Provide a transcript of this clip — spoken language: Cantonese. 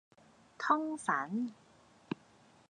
通粉